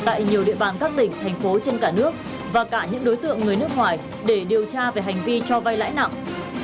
tại nhiều địa bàn các tỉnh thành phố trên cả nước và cả những đối tượng người nước ngoài để điều tra về hành vi cho vay lãi nặng